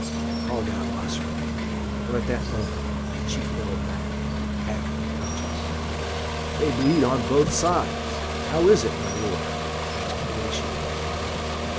called out Osric, for at that moment she fell back, half unconscious. "They bleed on both sides. How is it, my lord?" asked Horatio of Hamlet.